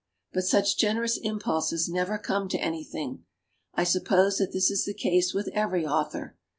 But such generous impulses never come to anything. I suppose that this is the case with every au thor.